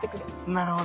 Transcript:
なるほど。